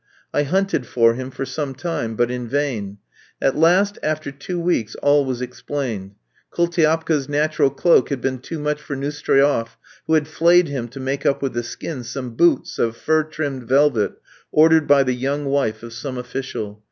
I hunted for him for some time, but in vain; at last, after two weeks, all was explained. Koultiapka's natural cloak had been too much for Neustroief, who had flayed him to make up with the skin some boots of fur trimmed velvet ordered by the young wife of some official.